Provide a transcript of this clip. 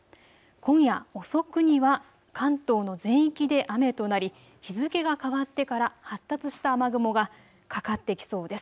今夜遅くには関東の全域で雨となり日付が変わってから発達した雨雲がかかってきそうです。